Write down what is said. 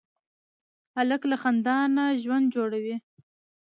هلک له خندا نه ژوند جوړوي.